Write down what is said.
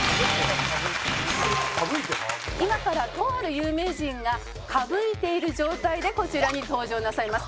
今からとある有名人が歌舞いている状態でこちらに登場なさいます。